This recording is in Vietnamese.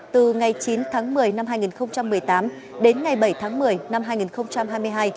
từ ngày chín tháng một mươi năm hai nghìn một mươi tám đến ngày bảy tháng một mươi năm hai nghìn hai mươi hai